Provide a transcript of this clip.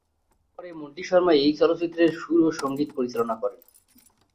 পরে মন্টি শর্মা এই চলচ্চিত্রের সুর ও সঙ্গীত পরিচালনা করেন।